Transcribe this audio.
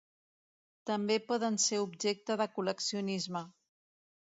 També poden ser objecte de col·leccionisme.